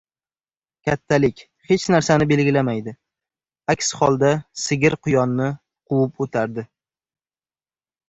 • Kattalik hech narsani belgilamaydi, aks holda sigir quyonni quvib o‘tardi.